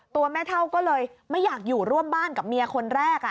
ตัวแม่เท่าก็เลยไม่อยากอยู่ร่วมบ้านกับเมียคนแรก